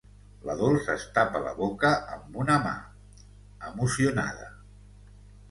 La Dols es tapa la boca amb una mà, emocionada.